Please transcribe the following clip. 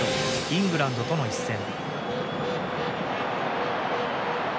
イングランドとの一戦。